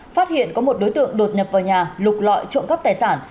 phát hiện có một đối tượng đột nhập vào nhà lục lọi trộm cắp tài sản